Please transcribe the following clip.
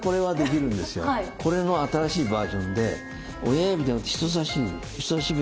これの新しいバージョンで親指じゃなくて人さし指。